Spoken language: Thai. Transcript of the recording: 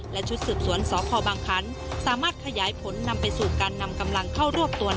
และชุดสืบสวนสพบางคันสามารถขยายผลนำไปสู่การนำกำลังเข้ารวบตัว